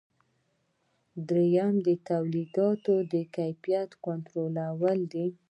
دریم د تولیداتو د کیفیت کنټرولول دي.